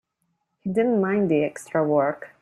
He didn't mind the extra work.